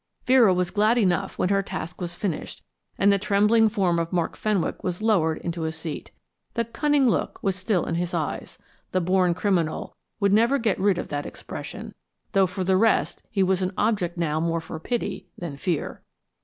Vera was glad enough when her task was finished and the trembling form of Mark Fenwick was lowered into a seat. The cunning look was still in his eyes; the born criminal would never get rid of that expression, though for the rest he was an object now more for pity than fear.